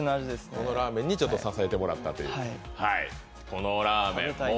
このラーメンに支えてもらったという。